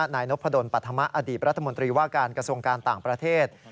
นายนพดลปัธมะอดีตรัฐมนตรีว่าการกระทรวงการต่างประเทศ